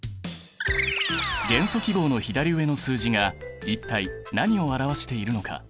元素記号の左上の数字が一体何を表しているのか。